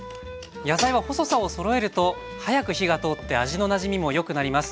野菜は細さをそろえると早く火が通って味のなじみもよくなります。